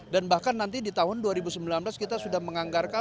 dan bahkan nanti di tahun dua ribu sembilan belas kita sudah menganggarkan